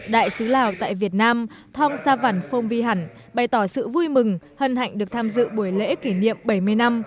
đại sứ lào tại việt nam thong sa văn phong vy hẳn bày tỏ sự vui mừng hân hạnh được tham dự buổi lễ kỷ niệm bảy mươi năm